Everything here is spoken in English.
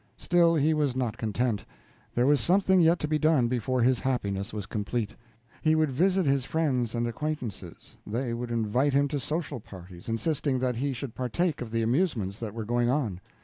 Still, he was not content; there was something yet to be done before his happiness was complete. He would visit his friends and acquaintances. They would invite him to social parties, insisting that he should partake of the amusements that were going on.